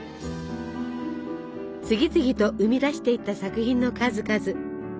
次々と生み出していった作品の数々。